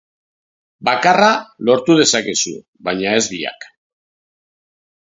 Bakarra lortu dezakezu, baina ez biak.